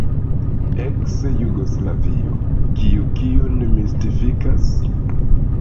Eks-Jugoslavio: kiu kiun mistifikas?